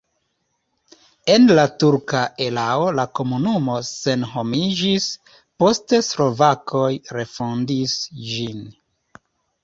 En la turka erao la komunumo senhomiĝis, poste slovakoj refondis ĝin.